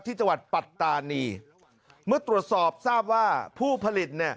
ที่จังหวัดปัตธานีเมื่อตรวจสอบทราบว่าผู้ผลิต